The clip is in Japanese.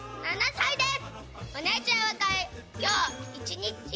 ７歳です！